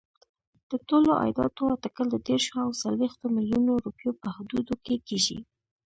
د ټولو عایداتو اټکل د دېرشو او څلوېښتو میلیونو روپیو په حدودو کې کېږي.